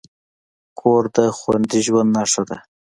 کور د خوندي ژوند نښه ده.